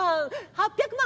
８００万？